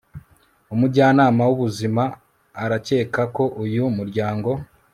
umujyanama w'ubuzima arakeka ko uyu muryango